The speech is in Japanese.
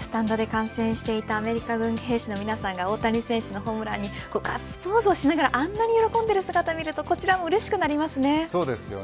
スタンドで観戦していたアメリカ軍兵士の皆さんが大谷選手のホームランにガッツポーズをしながら喜んでる姿を見るとそうですね。